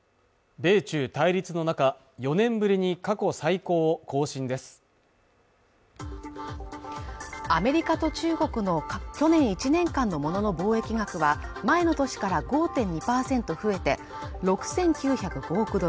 米中対立の中４年ぶりに過去最高を更新ですアメリカと中国の去年１年間のモノの貿易額は前の年から５．２％増えて６９０５億ドル